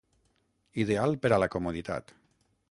Ideal per a la comoditat.